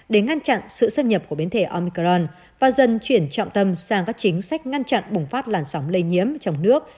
để ngăn chặn sự xâm nhập của biến thể omicron và dần chuyển trọng tâm sang các chính sách ngăn chặn bùng phát làn sóng lây nhiễm trong nước